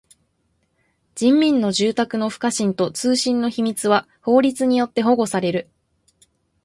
人民の住宅の不可侵と通信の秘密は法律によって保護される。